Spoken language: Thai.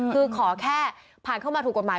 คือขอแค่ผ่านเข้ามาถูกกฎหมาย